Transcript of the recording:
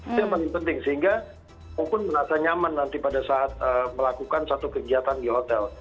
itu yang paling penting sehingga walaupun merasa nyaman nanti pada saat melakukan satu kegiatan di hotel